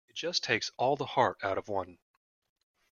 It just takes all the heart out of one.